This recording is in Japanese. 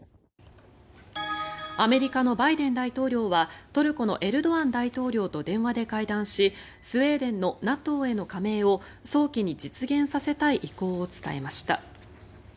アメリカのバイデン大統領はトルコのエルドアン大統領と電話で会談し、スウェーデンのＮＡＴＯへの加盟を早期に実現させたい意向を伝えました。